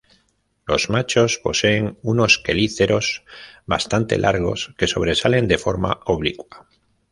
Los machos poseen unos quelíceros bastante largos que sobresalen de forma oblicua.